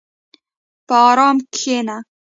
په ارام کښېنه.